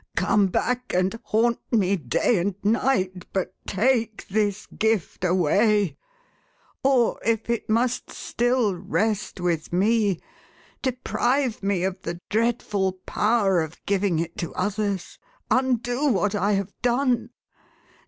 "Come back, ai.d haunt me day and night, but take this gift away ! Or, if it must still rest with me, deprive me of the dreadful power of giving it to others. Undo what I have done.